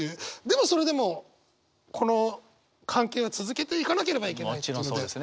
でもそれでもこの関係は続けていかなければいけないっていうので。